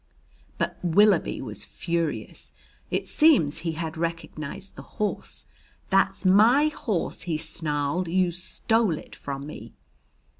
But Willoughby was furious. It seems he had recognized the horse. "That's my horse," he snarled. "You stole it from me."